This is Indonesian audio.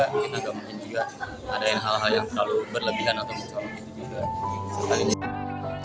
mungkin agak mungkin juga ada hal hal yang terlalu berlebihan atau mencoba gitu juga